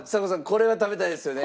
これは食べたいですよね。